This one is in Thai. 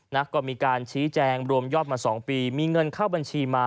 นักก็มีการชี้แจงรวมยอดมา๒ปีมีเงินเข้าบัญชีมา